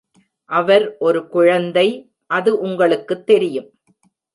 அவர் ஒரு குழந்தை, அது உங்களுக்குத் தெரியும்!